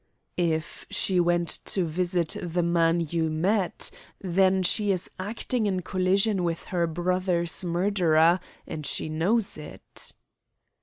"If she went to visit the man you met, then she is acting in collision with her brother's murderer, and she knows it."